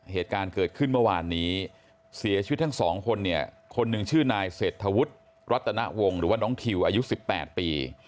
เหตุการณ์เกิดขึ้นเมื่อวานนี้เสียชีวิตทั้งสองคนเนี่ยคนหนึ่งชื่อนายเศรษฐวุฒิรัตนวงหรือว่าน้องทิวอายุ๑๘ปี